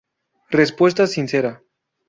Respuesta sincera.